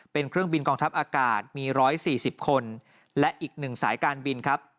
เป็นเครื่องบินกองทัพอากาศมี๑๔๐คนและอีก๑สายการบินครับ